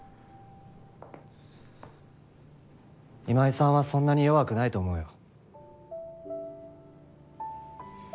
今井さんはそんなに弱くないと思うよ。